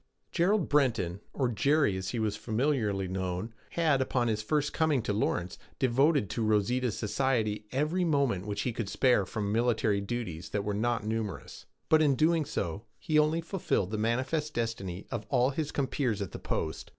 Gerald Breton, or 'Jerry,' as he was familiarly known, had, upon his first coming to Lawrence, devoted to Rosita's society every moment which he could spare from military duties that were not numerous; but in so doing he only fulfilled the manifest destiny of all his compeers at the post.